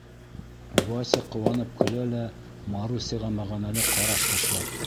Вася ҡыуанып көлә лә, Марусяға мәғәнәле ҡараш ташлап: